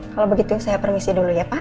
kalau begitu saya permisi dulu ya pak